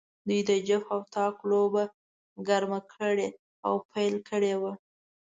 دوی د جفت او طاق لوبه ګرمه کړې او پیل کړې وه.